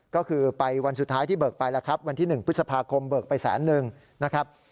ก็คือไปวันสุดท้ายที่เบิกไปแล้วครับวันที่๑พฤษภาคมเบิกไปแสนนึงนะครับ